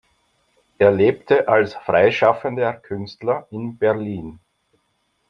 Er lebte als freischaffender Künstler in Berlin.